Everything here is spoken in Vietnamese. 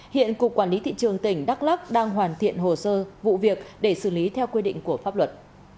hiện cục quản lý thị trường tỉnh đắk lắc đang hoàn thiện hồ sơ vụ việc để xử lý theo quy định của pháp luật